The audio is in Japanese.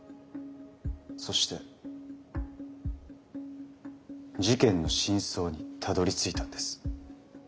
そして事件の真相にたどりついたんです。